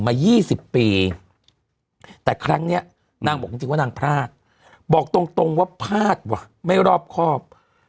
มา๒๐ปีแต่ครั้งนี้นางบอกจริงว่านางพลาดบอกตรงว่าพลาดว่ะไม่รอบครอบ